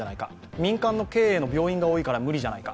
民間の経営の病院が多いから無理なんじゃないか。